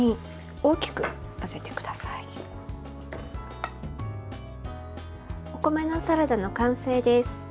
お米のサラダの完成です。